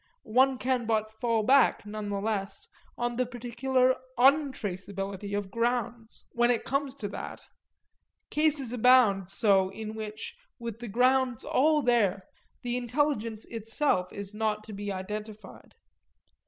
One can but fall back, none the less, on the particular _un_traceability of grounds when it comes to that: cases abound so in which, with the grounds all there, the intelligence itself is not to be identified.